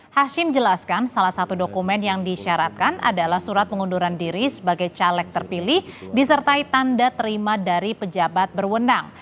hashim jelaskan salah satu dokumen yang disyaratkan adalah surat pengunduran diri sebagai caleg terpilih disertai tanda terima dari pejabat berwenang